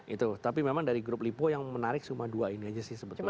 itu tapi memang dari grup lipo yang menarik cuma dua ini aja sih sebetulnya